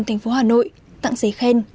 thành phố hà nội tặng giấy khen